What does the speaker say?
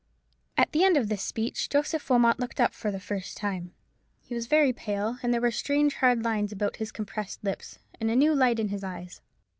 At the end of this speech Joseph Wilmot looked up for the first time. He was very pale, and there were strange hard lines about his compressed lips, and a new light in his eyes.